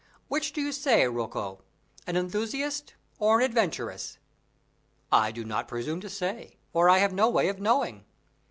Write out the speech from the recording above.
Which do you say, Rocco an enthusiast or an adventuress?" "I do not presume to say, for I have no means of knowing."